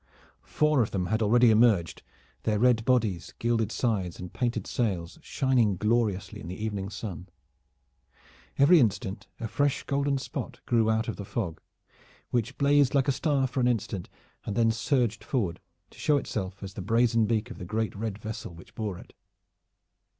Four of them had already emerged, their red bodies, gilded sides and painted sails shining gloriously in the evening sun. Every instant a fresh golden spot grew out of the fog, which blazed like a star for an instant, and then surged forward to show itself as the brazen beak of the great red vessel which bore it.